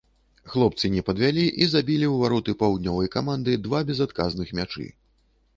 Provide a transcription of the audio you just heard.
Хлопцы не падвялі і забілі ў вароты паўднёвай каманды два безадказных мячы.